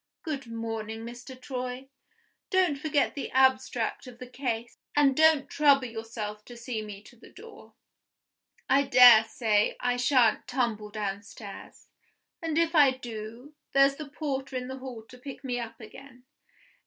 Good morning Mr. Troy! Don't forget the abstract of the case; and don't trouble yourself to see me to the door. I dare say I shan't tumble downstairs; and, if I do, there's the porter in the hall to pick me up again.